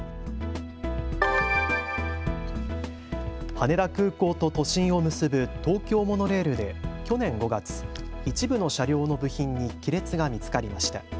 羽田空港と都心を結ぶ東京モノレールで去年５月、一部の車両の部品に亀裂が見つかりました。